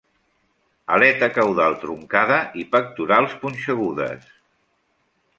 Aleta caudal truncada i pectorals punxegudes.